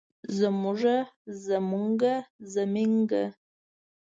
زمونږه زمونګه زمينګه